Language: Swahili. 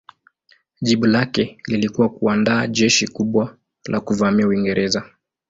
Jibu lake lilikuwa kuandaa jeshi kubwa la kuvamia Uingereza.